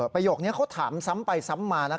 ปียกนี้เขาถามซ้ำไปซ้ำมาไง